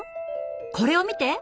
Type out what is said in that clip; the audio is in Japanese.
これを見て！